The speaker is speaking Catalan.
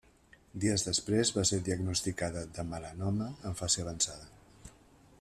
Dies després va ser diagnosticada de melanoma en fase avançada.